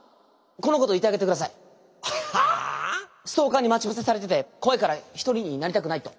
ストーカーに待ち伏せされてて怖いから一人になりたくないと。